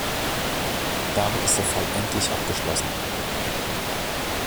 Damit ist der Fall endlich abgeschlossen.